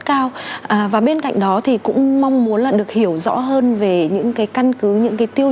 cao và bên cạnh đó thì cũng mong muốn là được hiểu rõ hơn về những cái căn cứ những cái tiêu